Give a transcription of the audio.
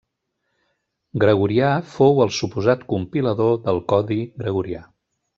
Gregorià fou el suposat compilador del codi Gregorià.